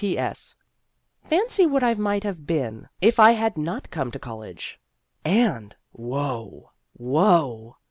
P. S. Fancy what I might have been, if I had not come to college. And woe, woe